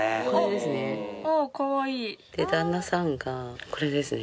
で旦那さんがこれですね。